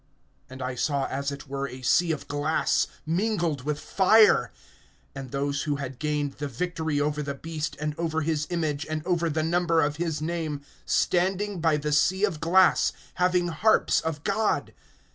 (2)And I saw as it were a sea of glass, mingled with fire; and those who had gained the victory over the beast, and over his image, and over the number of his name, standing by the sea of glass, having harps of God.